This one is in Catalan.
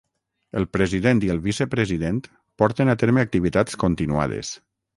El president i el vicepresident porten a terme activitats continuades.